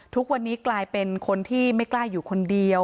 ทุกวันนี้กลายเป็นคนที่ไม่กล้าอยู่คนเดียว